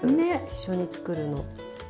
一緒に作るの。